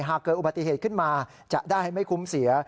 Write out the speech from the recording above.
หากเกิดอุบัติเหตุขึ้นมาจะได้ไม่คุ้มเสีย